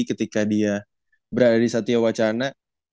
ketika dia berada di satya wacana